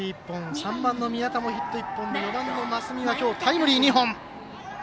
３番の宮田もヒット１本４番の増見はきょうタイムリー２本。